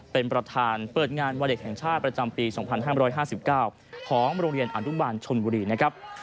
เป็นประธานเปิดงานวันเด็กแห่งชาติประจำปี๒๕๕๙ของโรงเรียนอนุบาลชนบุรีนะครับ